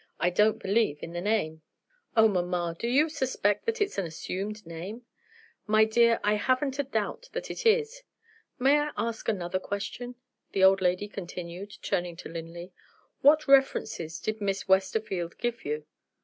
I don't believe in the name." "Oh, mamma, do you suspect that it's an assumed name?" "My dear, I haven't a doubt that it is. May I ask another question?" the old lady continued, turning to Linley. "What references did Miss Westerfield give you?"